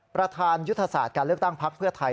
ประธานยุทธศาสตร์การเลือกตั้งพักเพื่อไทย